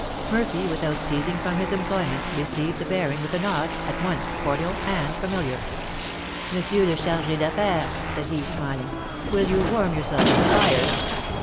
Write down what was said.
Murphy, without ceasing from his employment, received the baron with a nod at once cordial and familiar. "M. le Chargé d'Affaires," said he, smiling, "will you warm yourself at the fire?